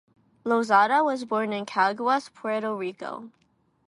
Lozada was born in Caguas, Puerto Rico.